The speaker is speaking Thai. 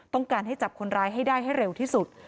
ต้องการให้จับคนร้ายให้ได้ให้เร็วที่สุด